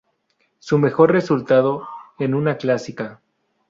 Su mejor resultado en una Clásica.